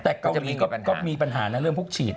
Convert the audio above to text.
มันก็จะมีกอปัญหาแต่ก็ก็มีปัญหาในเรื่องพวกฉีด